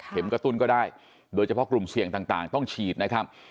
กระตุ้นก็ได้โดยเฉพาะกลุ่มเสี่ยงต่างต้องฉีดนะครับ